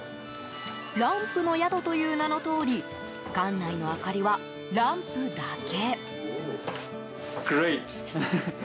ランプの宿という名のとおり館内の明かりはランプだけ。